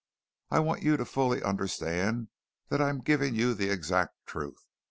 "I want you to fully understand that I'm giving you the exact truth.